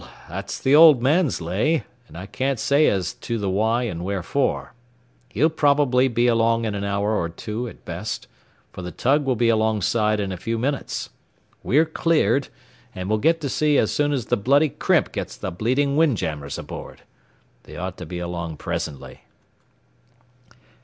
"Well, that's the old man's lay, and I can't say as to the why and wherefore. He'll probably be along in an hour or two at best, for the tug will be alongside in a few minutes. We're cleared, and we'll get to sea as soon as the bloody crimp gets the bleeding windjammers aboard. They ought to be along presently."